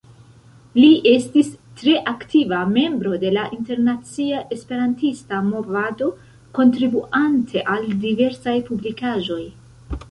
Li estis tre aktiva membro de la internacia esperantista movado, kontribuante al diversaj publikaĵoj.